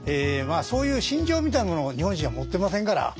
そういう信条みたいなものを日本人は持ってませんから。